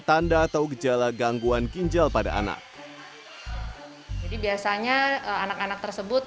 tanda atau gejala gangguan ginjal pada anak jadi biasanya anak anak tersebut